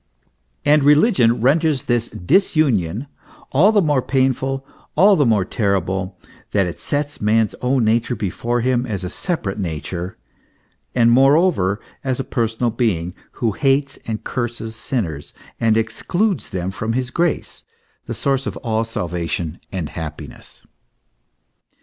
* And religion renders this disunion all the more painful, all the more terrible, that it sets man's own nature before him as a separate nature, and moreover as a personal being, who hates and curses sinners, and excludes them from his grace, the source of all salvation and happiness.